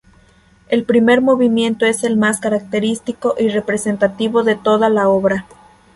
El primer movimiento es el más característico y representativo de toda la obra.